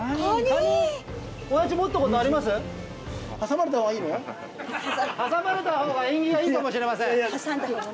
挟まれた方が縁起がいいかもしれません。